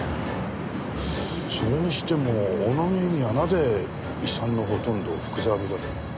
それにしても小野木由美はなぜ遺産のほとんどを福沢美登里に。